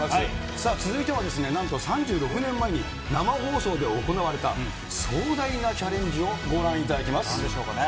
さあ、続いてはですね、なんと３６年前に生放送で行われた壮大なチャレンジをご覧いただなんでしょうかね。